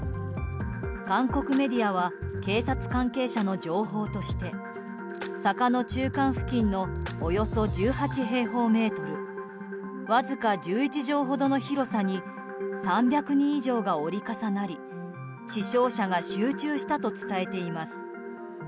韓国メディアは警察関係者の情報として坂の中間付近のおよそ１８平方メートルわずか１１畳ほどの広さに３００人以上が折り重なり死傷者が集中したと伝えています。